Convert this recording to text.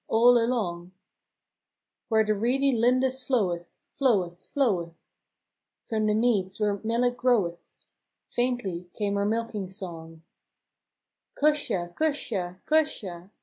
" all along; Where the reedy Lindis floweth Floweth, floweth, From the meads where melick groweth Faintly came her milking song, —" Cusha! Cusha! Cusha!